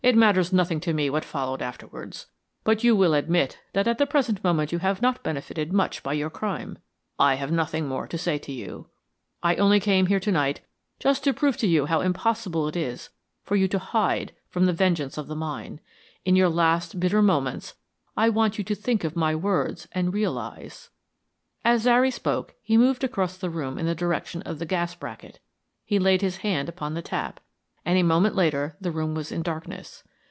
It matters nothing to me what followed afterwards, but you will admit that at the present moment you have not benefitted much by your crime. I have nothing more to say to you. I only came here tonight just to prove to you how impossible it is for you to hide from the vengeance of the mine. In your last bitter moments I want you to think of my words and realise " As Zary spoke he moved across the room in the direction of the gas bracket; he laid his hand upon the tap, and a moment later the room was in darkness.